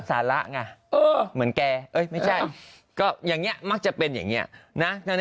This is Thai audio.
สาระไงเหมือนแกเอ้ยไม่ใช่ก็อย่างนี้มักจะเป็นอย่างนี้นะ